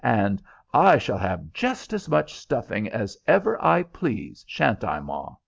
and "I shall have just as much stuffing as ever I please, shan't I, ma?"